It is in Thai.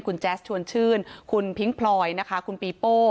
คุณแจ๊สชวนชื่นคุณพิ้งพลอยนะคะคุณปีโป้